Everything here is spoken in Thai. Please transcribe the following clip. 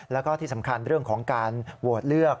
แล้วก็ที่สำคัญเรื่องของการโหวตเลือก